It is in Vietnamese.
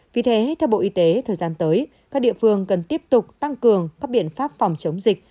vì thế theo bộ y tế thời gian tới các địa phương cần tiếp tục tăng cường các biện pháp phòng chống dịch